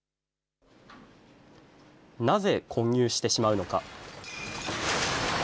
なぜ混入してしまうのか。